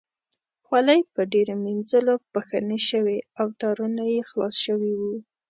خولۍ په ډېرو مینځلو پښنې شوې او تارونه یې خلاص شوي وو.